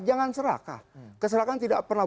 jangan seraka keserakan tidak pernah